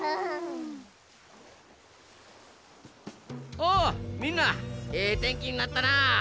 おっみんなええてんきになったなあ！